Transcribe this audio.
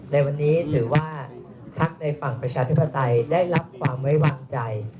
ในวันนี้ถือว่าพักในฝั่งประชาธิปไตยได้รับความไว้วางใจ